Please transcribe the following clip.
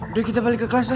udah kita balik ke kelas ya